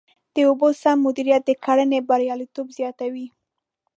د اوبو سم مدیریت د کرنې بریالیتوب زیاتوي.